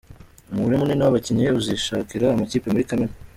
Umubare munini w’abakinnyi uzishakira amakipe muri Kamena